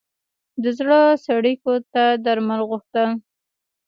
د زړه څړیکو ته درمل غوښتل.